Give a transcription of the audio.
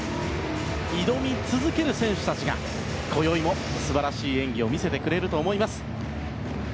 挑み続ける選手たちが今宵も素晴らしい演技を見せてくれると思います。